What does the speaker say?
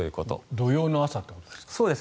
土曜の朝ってことですか。